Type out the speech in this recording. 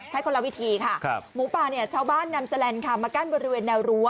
คนละวิธีค่ะหมูป่าเนี่ยชาวบ้านนำแสลนด์ค่ะมากั้นบริเวณแนวรั้ว